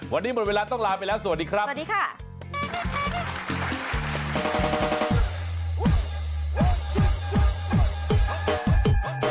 วันนี้หมดเวลาต้องลาไปแล้วสวัสดีครับ